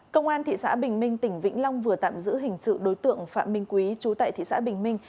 công an thị xã bình minh tỉnh vĩnh long vừa tạm giữ hình sự đối tượng phạm minh quý chú tại thị xã bình minh